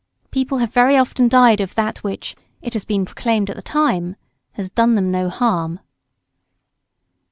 People have very often died of that which, it has been proclaimed at the time, has "done them no harm."